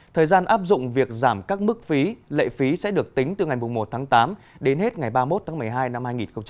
thời gian áp dụng việc giảm các mức phí lệ phí sẽ được tính từ ngày một tháng tám đến hết ngày ba mươi một tháng một mươi hai năm hai nghìn hai mươi